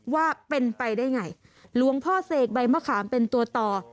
ว่าเป็นไปได้ไงหลวงพ่อเสกใบมะขามเป็นตัวต่อ